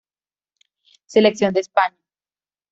Selección de España.